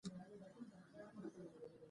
د بانکي حساب امنیتي کوډ یوازې له مالیک سره وي.